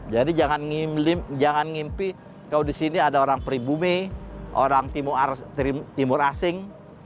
jadi jangan mimpi kalau disini ada orang pribumi orang timur asing